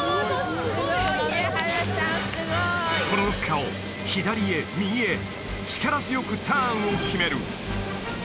すごいポロロッカを左へ右へ力強くターンを決める